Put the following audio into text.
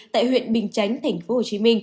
tại huyện bình chánh tp hcm